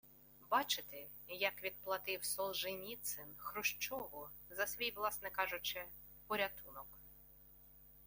Бачите, як відплатив Солженіцин Хрущову за свій, власне кажучи, порятунок